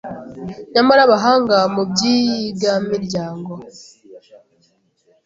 Nyamara abahanga mu by’iyigamiryango